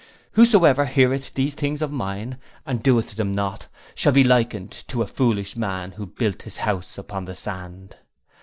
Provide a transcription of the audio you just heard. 'Whosoever heareth these sayings of mine and doeth them not, shall be likened to a foolish man who built his house upon the sand.'